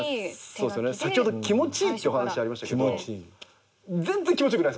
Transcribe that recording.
先ほど気持ちいいってお話ありましたけど。